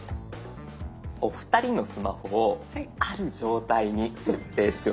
お二人のスマホをある状態に設定しておきました。